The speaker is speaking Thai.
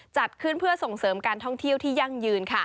จัดขึ้นเพื่อส่งเสริมการท่องเที่ยวที่ยั่งยืน